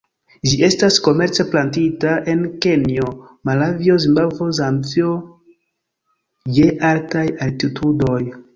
Ĝi estas komerce plantita en Kenjo, Malavio, Zimbabvo, Zambio je altaj altitudoj.